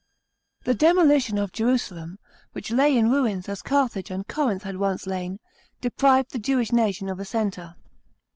The demolition of Jerusalem, which lay in ruins as Carthage and Corinth had once lain, deprived the Jewish nation of a centre.